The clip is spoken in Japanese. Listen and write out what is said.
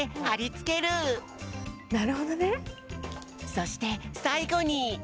そしてさいごに。